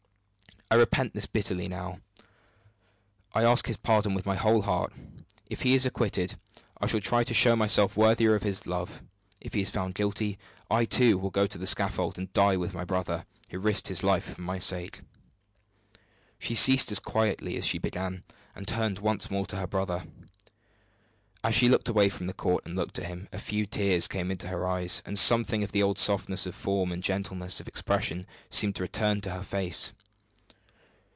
I repent this bitterly now; I ask his pardon with my whole heart. If he is acquitted, I will try to show myself worthier of his love. If he is found guilty, I, too, will go to the scaffold, and die with my brother, who risked his life for my sake." She ceased as quietly as she had begun, and turned once more to her brother. As she looked away from the court and looked at him, a few tears came into her eyes, and something of the old softness of form and gentleness of expression seemed to return to her face.